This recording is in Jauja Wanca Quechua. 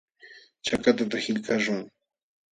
Chakatata qillqaśhun.